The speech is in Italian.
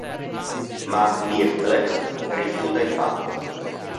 Ma Myrtle rifiuta il patto.